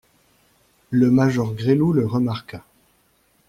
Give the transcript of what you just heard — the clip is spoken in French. Le major Gresloup le remarqua.